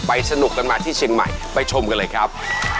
สนุกกันมาที่เชียงใหม่ไปชมกันเลยครับ